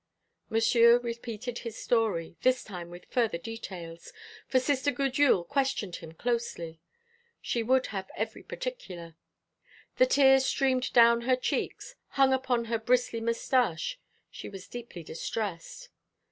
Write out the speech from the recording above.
Monsieur repeated his story, this time with further details, for Sister Gudule questioned him closely. She would have every particular. The tears streamed down her cheeks, hung upon her bristly moustache. She was deeply distressed.